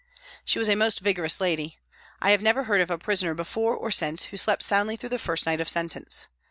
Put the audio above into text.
She was a most vigorous lady. I have never heard of a prisoner before or since who slept soundly through the first night of sentence.